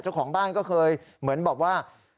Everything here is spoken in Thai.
เจ้าของบ้านก็เคยเหมือนบอกว่า